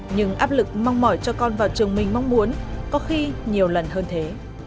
nhưng áp lực mong mỏi cho con vào trường mình mong muốn có khi nhiều lần hơn thế